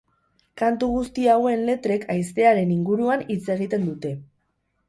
Kantu guzti hauen letrek haizearen inguruan hitz egiten dute.